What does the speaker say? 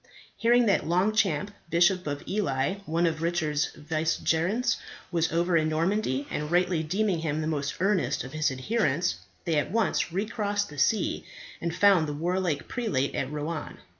Hearing that Longchamp, Bishop of Ely, one of Richard's vicegerents, was over in Normandy, and rightly deeming him the most earnest of his adherents, they at once recrossed the sea, and found the warlike prelate at Rouen.